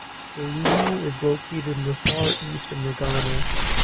Koumi is located in the far east of Nagano.